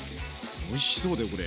おいしそうだよこれ。